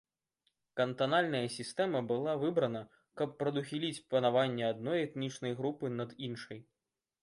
Кантанальная сістэма была выбрана, каб прадухіліць панаванне адной этнічнай групы над іншай.